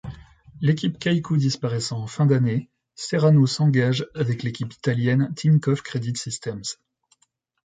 L'équipe Kaiku disparaissant en fin d'année, Serrano s'engage avec l'équipe italienne Tinkoff Credit Systems.